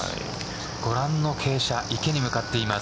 ご覧の傾斜池に向かっています。